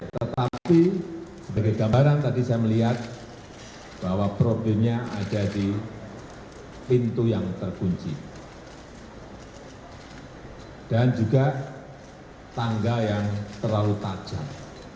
tetapi sebagai gambaran tadi saya melihat bahwa problemnya ada di pintu yang terkunci dan juga tangga yang terlalu tajam